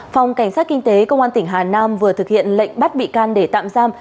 phòng cảnh sát kinh tế công an tỉnh hà nam vừa thực hiện lệnh bắt bị can để tạm giam